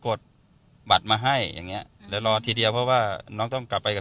กดบัตรมาให้อย่างเงี้ยเดี๋ยวรอทีเดียวเพราะว่าน้องต้องกลับไปกับ